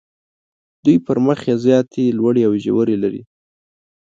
دوی پر مخ یې زیاتې لوړې او ژورې لري.